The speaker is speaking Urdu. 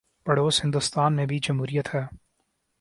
پڑوس ہندوستان میں بھی جمہوریت ہے۔